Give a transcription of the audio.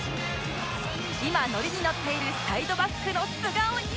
今ノリにのっているサイドバックの素顔に迫ります